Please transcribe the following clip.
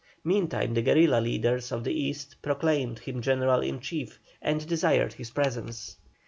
Meantime the guerilla leaders of the East proclaimed him general in chief, and desired his presence.